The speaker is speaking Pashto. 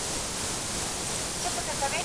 غنم او وربشې مخلوط نه کرل کېږي.